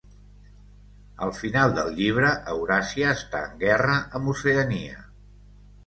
Al final del llibre, Euràsia està en guerra amb Oceania.